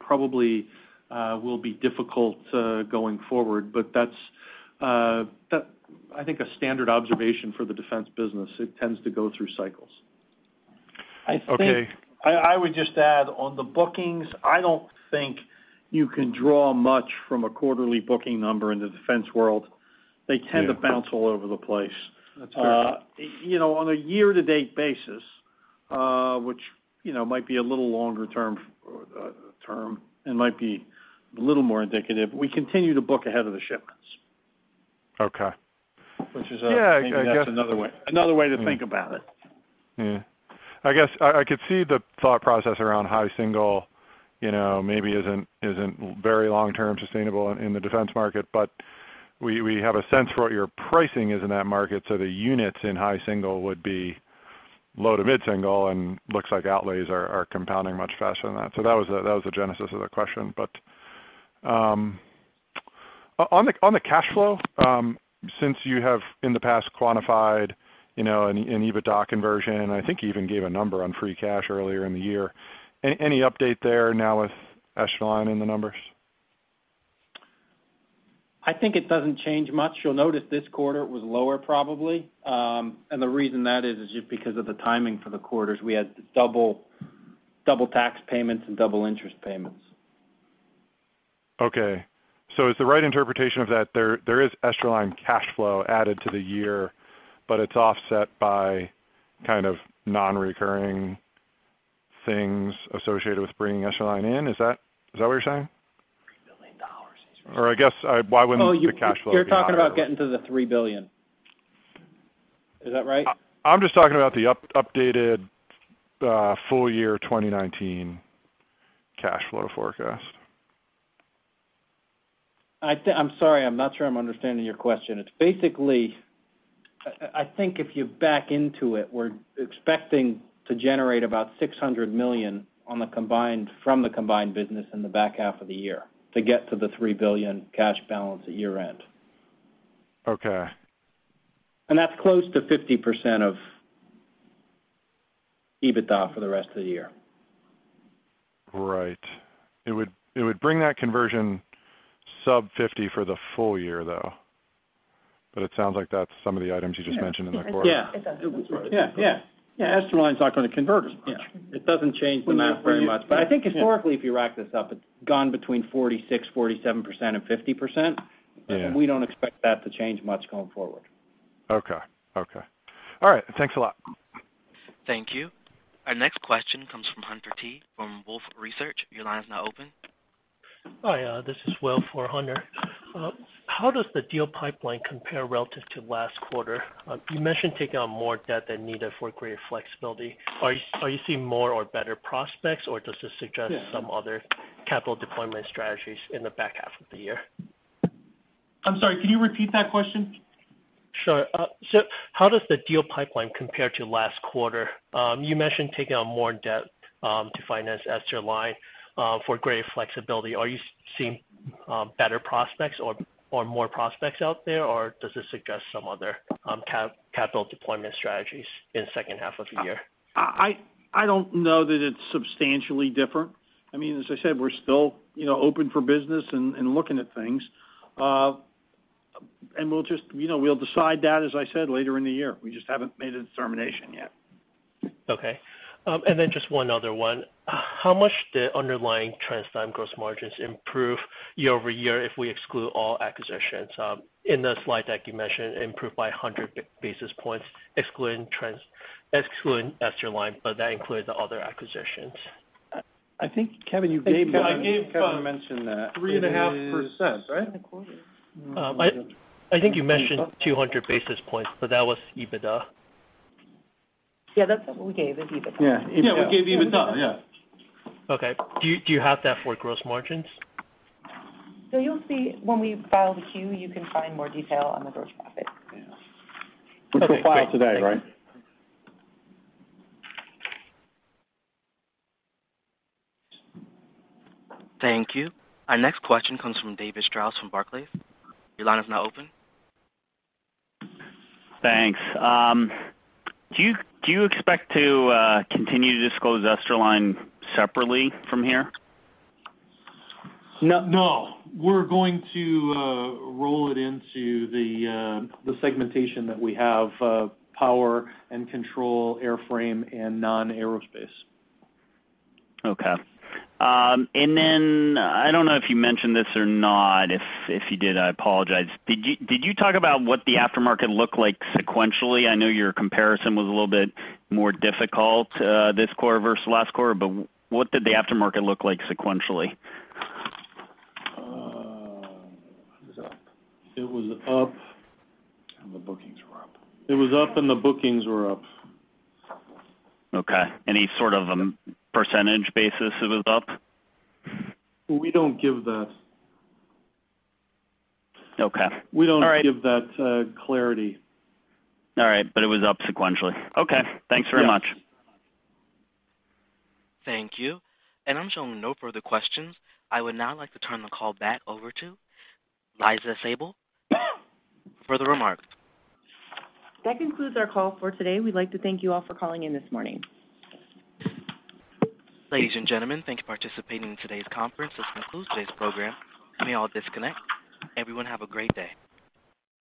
probably will be difficult going forward. That's, I think, a standard observation for the defense business. It tends to go through cycles. Okay. I would just add, on the bookings, I don't think you can draw much from a quarterly booking number in the defense world. Yeah. They tend to bounce all over the place. That's fair. On a year-to-date basis, which might be a little longer term, and might be a little more indicative, we continue to book ahead of the shipments. Okay. Which is maybe that's another way to think about it. Yeah. I guess I could see the thought process around high single maybe isn't very long term sustainable in the defense market, but we have a sense for what your pricing is in that market, so the units in high single would be low to mid single, and looks like outlays are compounding much faster than that. That was the genesis of the question. On the cash flow, since you have in the past quantified an EBITDA conversion, and I think you even gave a number on free cash earlier in the year, any update there now with Esterline in the numbers? I think it doesn't change much. You'll notice this quarter was lower probably. The reason that is just because of the timing for the quarters. We had double tax payments and double interest payments. Okay. Is the right interpretation of that, there is Esterline cash flow added to the year, but it's offset by kind of non-recurring things associated with bringing Esterline in? Is that what you're saying? $3 billion I guess, why wouldn't the cash flow be added? You're talking about getting to the $3 billion. Is that right? I'm just talking about the updated full year 2019 cash flow forecast. I'm sorry. I'm not sure I'm understanding your question. It's basically, I think if you back into it, we're expecting to generate about $600 million from the combined business in the back half of the year to get to the $3 billion cash balance at year-end. Okay. That's close to 50% of EBITDA for the rest of the year. Right. It would bring that conversion sub 50 for the full year, though. It sounds like that's some of the items you just mentioned in the quarter. Yeah. It doesn't- Yeah. Esterline's not going to convert as much. It doesn't change the math very much. I think historically, if you rack this up, it's gone between 46%, 47% and 50%. Yeah. We don't expect that to change much going forward. Okay. All right. Thanks a lot. Thank you. Our next question comes from Hunter T. from Wolfe Research. Your line is now open. Hi, this is Will for Hunter. How does the deal pipeline compare relative to last quarter? You mentioned taking on more debt than needed for greater flexibility. Are you seeing more or better prospects, or does this suggest some other capital deployment strategies in the back half of the year? I'm sorry, can you repeat that question? Sure. How does the deal pipeline compare to last quarter? You mentioned taking on more debt, to finance Esterline, for greater flexibility. Are you seeing better prospects or more prospects out there, or does this suggest some other capital deployment strategies in the second half of the year? I don't know that it's substantially different. As I said, we're still open for business and looking at things. We'll decide that, as I said, later in the year. We just haven't made a determination yet. Okay. Just one other one. How much did underlying TransDigm gross margins improve year-over-year if we exclude all acquisitions? In the slide deck, you mentioned improved by 100 basis points, excluding Esterline, but that includes the other acquisitions. I think, Kevin, you gave it. I think Kevin mentioned that. 3.5%, right? I think you mentioned 200 basis points, that was EBITDA. Yeah, that's what we gave, is EBITDA. Yeah, we gave EBITDA. Yeah. Okay. Do you have that for gross margins? You'll see when we file the Q, you can find more detail on the gross profit. Okay, great. Which we'll file today, right? Thank you. Our next question comes from David Strauss from Barclays. Your line is now open. Thanks. Do you expect to continue to disclose Esterline separately from here? No. We're going to roll it into the segmentation that we have, power and control airframe and non-aerospace. Okay. I don't know if you mentioned this or not. If you did, I apologize. Did you talk about what the aftermarket looked like sequentially? I know your comparison was a little bit more difficult this quarter versus last quarter, but what did the aftermarket look like sequentially? It was up. The bookings were up. It was up and the bookings were up. Okay. Any sort of percentage basis it was up? We don't give that. Okay. All right. We don't give that clarity. All right. It was up sequentially. Okay. Yes. Thanks very much. Thank you. I'm showing no further questions. I would now like to turn the call back over to Liza Sabol for the remarks. That concludes our call for today. We'd like to thank you all for calling in this morning. Ladies and gentlemen, thank you for participating in today's conference. This concludes today's program. You may all disconnect. Everyone have a great day.